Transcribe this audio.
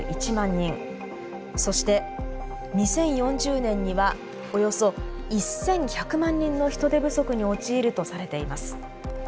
そして２０４０年にはおよそ１１００万人の人手不足に陥るとされています。